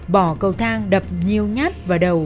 bỏ cầu thang đập nhiều nhát vào đầu